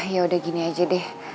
ya udah gini aja deh